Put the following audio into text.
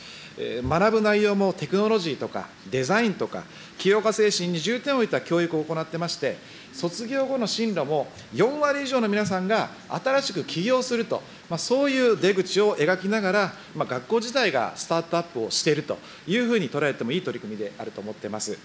学ぶ内容もテクノロジーとか、デザインとか、起業家精神に重点を置いた教育を行っていまして、卒業後の進路も、４割以上の皆さんが新しく起業すると、そういう出口を描きながら、学校自体がスタートアップをしているというふうに捉えてもいい取り組みであると思っております。